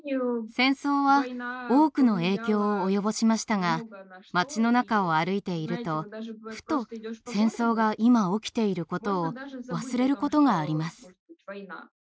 戦争は多くの影響を及ぼしましたが町の中を歩いているとふと戦争が今起きていることを忘れることがあります。